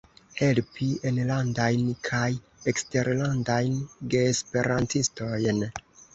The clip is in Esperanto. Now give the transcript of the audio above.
Helpi enlandajn kaj eksterlandajn geesperantistojn.